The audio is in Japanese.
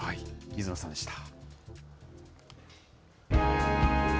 水野さんでした。